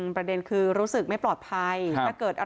มีแต่เสียงตุ๊กแก่กลางคืนไม่กล้าเข้าห้องน้ำด้วยซ้ำ